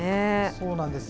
そうなんです。